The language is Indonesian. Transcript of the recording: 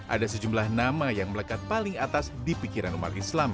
ada sejumlah nama yang melekat paling atas di pikiran umat islam